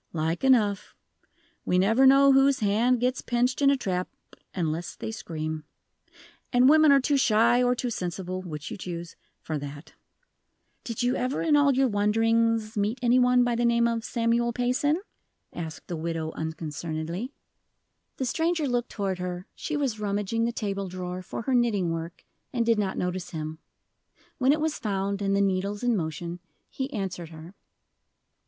"Like enough. We never know whose hand gets pinched in a trap unless they scream. And women are too shy or too sensible which you choose for that." "Did you ever, in all your wanderings, meet any one by the name of Samuel Payson?" asked the widow, unconcernedly. The stranger looked toward her; she was rummaging the table drawer for her knitting work, and did not notice him. When it was found, and the needles in motion, he answered her.